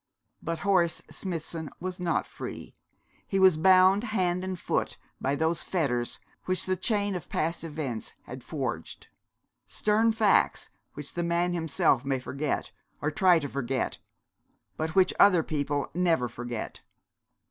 But Horace Smithson was not free. He was bound hand and foot by those fetters which the chain of past events had forged stern facts which the man himself may forget, or try to forget, but which other people never forget.